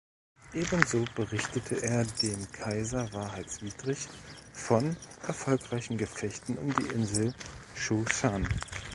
Ebenso berichtete er dem Kaiser wahrheitswidrig von erfolgreichen Gefechten um die Insel Zhoushan.